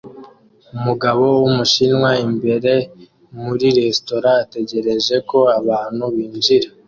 Umugabo wumushinwa imbere muri resitora ategereje ko abantu binjira